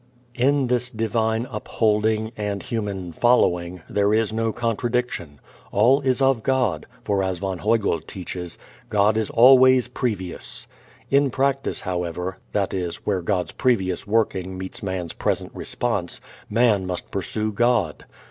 In this divine "upholding" and human "following" there is no contradiction. All is of God, for as von Hügel teaches, God is always previous. In practice, however, (that is, where God's previous working meets man's present response) man must pursue God.